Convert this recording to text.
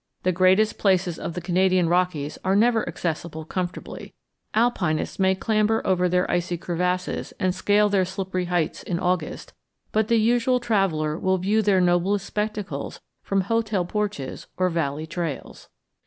The greatest places of the Canadian Rockies are never accessible comfortably; alpinists may clamber over their icy crevasses and scale their slippery heights in August, but the usual traveller will view their noblest spectacles from hotel porches or valley trails.